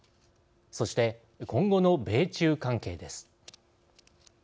そして今後の米中関係です。